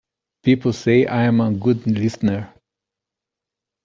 People say I'm a good listener.